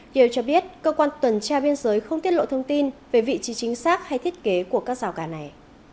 điều cho biết cơ quan tuần tra biên giới không tiết lộ thông tin về vị trí chính xác hay thiết kế của các rào cản này